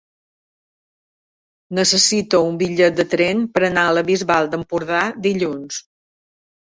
Necessito un bitllet de tren per anar a la Bisbal d'Empordà dilluns.